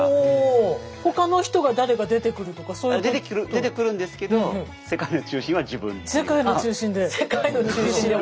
他の人が誰か出てくるとかそういうことは？出てくるんですけど世界の中心は自分っていうか。